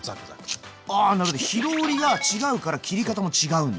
あなるほど火通りが違うから切り方も違うんだ。